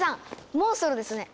モンストロですね。